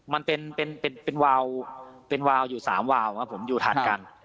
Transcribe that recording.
มันเป็นวาวอยู่๓วาวครับผมอยู่ถัดกัน